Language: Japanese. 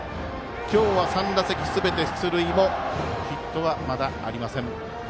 今日は３打席すべて出塁のヒットはまだありません。